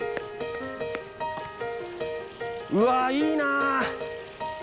うわいいな！